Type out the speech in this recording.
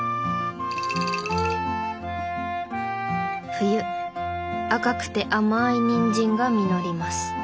冬赤くて甘いニンジンが実ります。